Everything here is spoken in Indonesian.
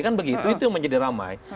kan begitu itu yang menjadi ramai